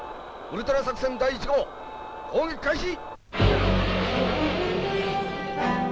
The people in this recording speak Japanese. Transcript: ウルトラ作戦第一号砲撃開始！